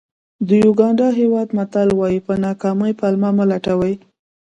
د یوګانډا هېواد متل وایي په ناکامۍ پلمه مه لټوئ.